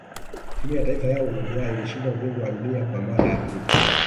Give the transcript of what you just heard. timu ya taifa ya uruguay ilishinda ubingwa wa dunia Kwa mara ya pili